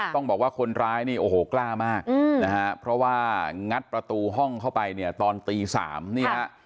ต้องบอกว่าคนร้ายนี่โอ้โหกล้ามากนะฮะเพราะว่างัดประตูห้องเข้าไปเนี่ยตอนตี๓นี่ฮะ